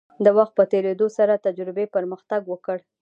د وخت په تیریدو سره تجربې پرمختګ وکړ.